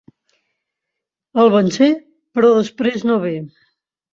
El vencé però després no ve.